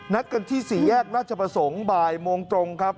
นัดกันที่๔แยกราชประสงค์บ่ายโมงตรงครับ